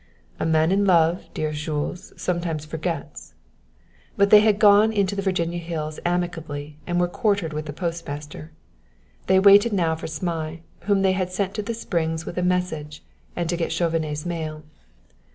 "A man in love, dearest Jules, sometimes forgets;" but they had gone into the Virginia hills amicably and were quartered with the postmaster. They waited now for Zmai, whom they had sent to the Springs with a message and to get Chauvenet's mail.